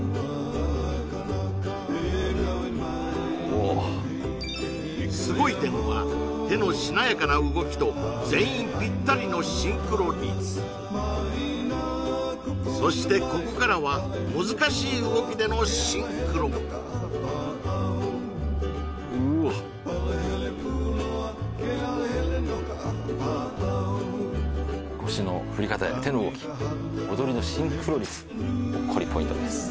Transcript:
おおすごい点は手のしなやかな動きと全員ぴったりのシンクロ率そしてここからは難しい動きでのシンクロうわ腰の振り方や手の動き踊りのシンクロ率ほっこりポイントです